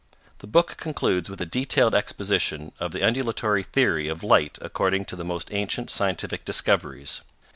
The book concludes with a detailed exposition of the undulatory theory of light according to the most ancient scientific discoveries.